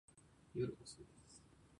夜遅いです。